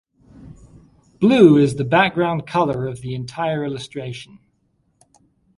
Blue is the background color of the entire illustration.